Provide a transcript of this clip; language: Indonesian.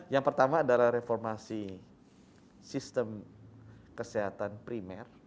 yang pertama adalah reformasi sistem kesehatan primer